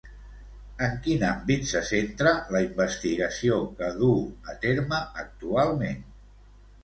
En quin àmbit se centra la investigació que duu a terme actualment?